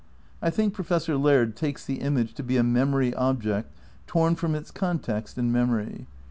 I think Profes sor Laird takes the image to be a memory object torn from its context in memory.